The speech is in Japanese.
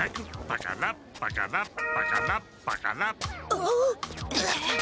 あっ！